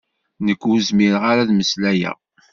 Nekk ur zmireɣ ara ad mmeslayeɣ.